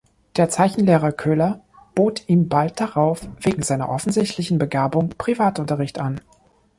Der Zeichenlehrer Köhler bot ihm bald darauf wegen seiner offensichtlichen Begabung Privatunterricht an.